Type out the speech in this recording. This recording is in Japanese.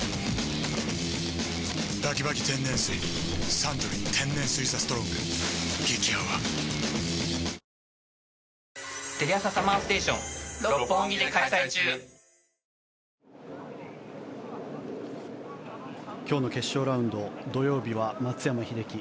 サントリー天然水「ＴＨＥＳＴＲＯＮＧ」激泡今日の決勝ラウンド土曜日は松山英樹